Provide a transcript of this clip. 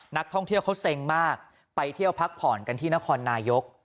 นักท่องเที่ยวเขาเซ็งมากไปเที่ยวพักผ่อนกันที่นครนายก